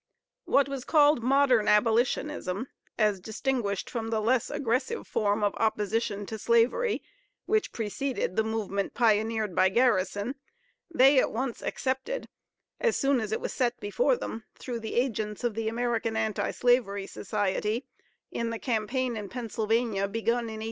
What was called "modern abolitionism," as distinguished from the less aggressive form of opposition to slavery, which preceded the movement pioneered by Garrison, they at once accepted, as soon as it was set before them, through the agents of the American Anti Slavery Society, in the campaign in Pennsylvania, begun in 1836.